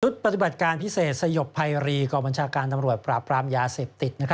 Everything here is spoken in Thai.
ปฏิบัติการพิเศษสยบภัยรีกองบัญชาการตำรวจปราบปรามยาเสพติด